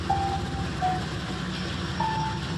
په دلیل او په منطق چي نه پوهېږي